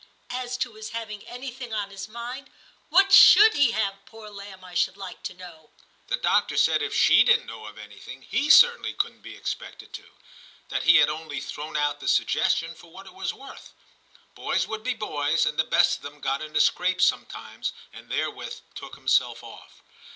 As to his having anything on his mind, what should he have, poor lamb, I should like to know ?' The doctor said if she didn't know of any thing, he certainly couldn't be expected to ; that he had only thrown out the suggestion for what it was worth. Boys would be boys, and the best of them got into scrapes sometimes, and therewith took himself off.